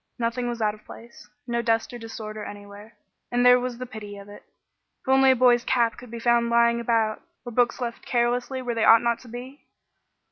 Nothing was out of place. No dust or disorder anywhere, and there was the pity of it. If only a boy's cap could be found lying about, or books left carelessly where they ought not to be!